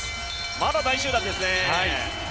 まだ大集団ですね。